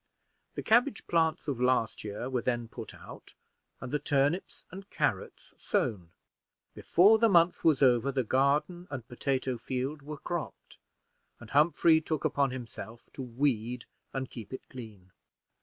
The cabbage plants of last year were then put out, and the turnips and carrots sown. Before the month was over, the garden and potato field were cropped, and Humphrey took upon himself to weed and keep it clean.